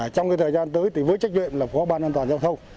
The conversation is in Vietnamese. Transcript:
trong thời gian tới với trách nhiệm của bàn an toàn giao thông